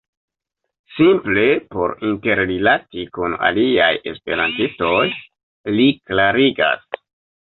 Simple por interrilati kun aliaj esperantistoj, li klarigas.